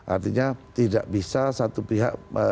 artinya tidak bisa satu pihak